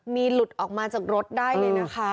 มีหลุดออกมาจากรถได้เลยนะคะ